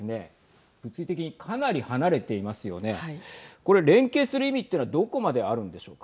これ連携する意味というのはどこまであるんでしょうか。